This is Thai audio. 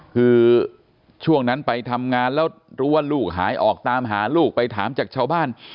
คือช่วงนั้นไปทำงานแล้วรู้ว่าลูกหายออกตามหาลูกไปถามจากชาวบ้าน